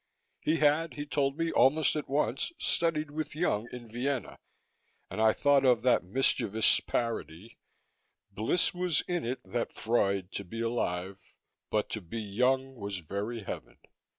He had, he told me almost at once, studied with Jung in Vienna and I thought of that mischievous parody "Bliss was it in that Freud to be alive, But to be Jung was very Heaven!"